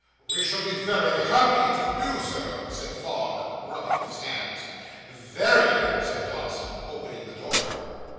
'We shall be very happy to do so,' said Fogg, rubbing his hands. 'Very,' said Dodson, opening the door.